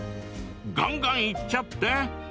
がんがんいっちゃって！